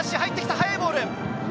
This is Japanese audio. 速いボール！